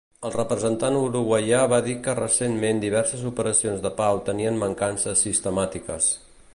El representant uruguaià va dir que recentment diverses operacions de pau tenien mancances sistemàtiques.